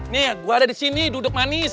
nih gue ada disini duduk manis